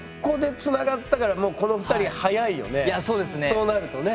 そうなるとね。